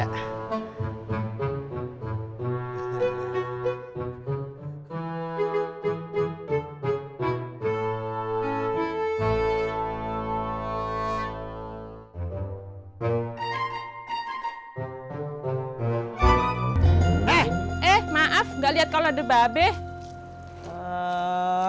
eh eh maaf gak liat kalau ada babih